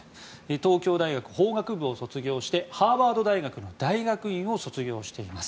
東京大学法学部を卒業してハーバード大学の大学院を卒業しています。